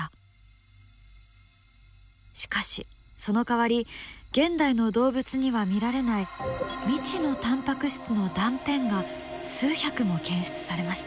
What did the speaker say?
しかしそのかわり現代の動物には見られない未知のタンパク質の断片が数百も検出されました。